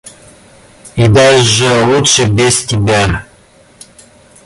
И даже лучше без тебя.